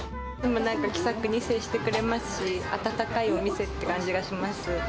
なんか気さくに接してくれますし、温かいお店って感じがします。